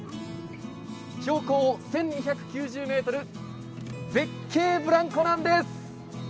標高１２９０メートル絶景ブランコなんです。